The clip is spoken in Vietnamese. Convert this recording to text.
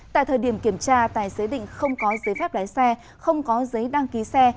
tại thời điểm kiểm tra tài xế định không có giấy phép lái xe không có giấy đăng ký xe